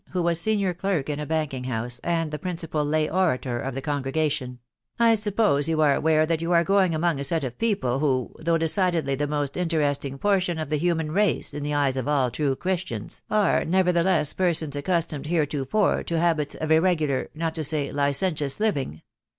who was senior clerk in a banking house, and the principal lay orator of the congregation, — "I suppose you are aware that you are going among a set of people who, though decidedly the most interesting portion of the human race in the eyes of all true Christians,, are nevertheless persons accustomed heretofore to habits of irregular, not to say licentious living